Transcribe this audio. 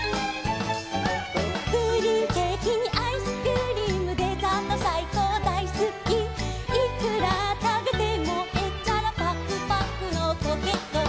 「プリンケーキにアイスクリーム」「デザートさいこうだいすき」「いくらたべてもへっちゃらぱくぱくのコケッコー」